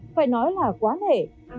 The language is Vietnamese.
phải nói là quá hể